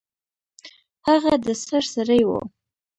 هغه د سر سړی و.